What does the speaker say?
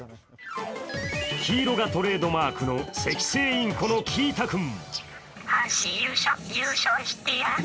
黄色がトレードマークのセキセイインコのキー太くん。